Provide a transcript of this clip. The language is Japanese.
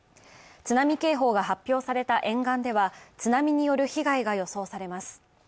津波警報が発表された沿岸では、津波による被害が予想されます。